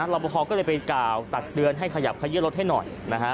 รับประคองก็เลยไปกล่าวตักเตือนให้ขยับขยื่นรถให้หน่อยนะฮะ